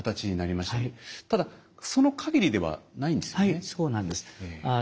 はいそうなんです。